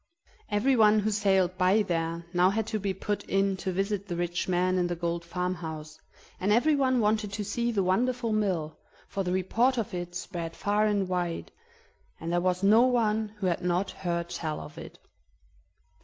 Everyone who sailed by there now had to be put in to visit the rich man in the gold farmhouse, and everyone wanted to see the wonderful mill, for the report of it spread far and wide, and there was no one who had not heard tell of it.